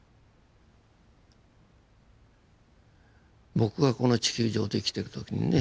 僕はこの地球上で生きてる時にね